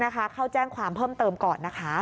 เข้าแจ้งความเพิ่มเติมก่อนนะคะ